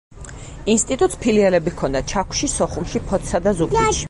ინსტიტუტს ფილიალები ჰქონდა ჩაქვში, სოხუმში, ფოთსა და ზუგდიდში.